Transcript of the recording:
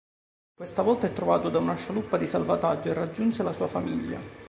Questa volta è trovato da una scialuppa di salvataggio e raggiunse la sua famiglia.